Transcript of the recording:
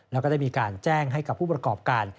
แล้วก็ได้มีการแจ้งให้กับผู้ประกอบการ